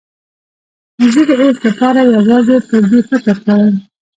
زه د اوس لپاره یوازې پر دې فکر کوم.